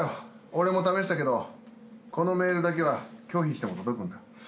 俺も試したけどこのメールだけは拒否しても届くんだ。